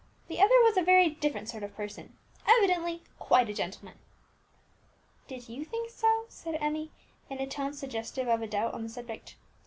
The other was a very different sort of person, evidently quite a gentleman." "Did you think so?" said Emmie, in a tone suggestive of a doubt on the subject.